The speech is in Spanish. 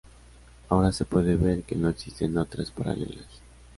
Ahora se puede ver que no existen otras paralelas.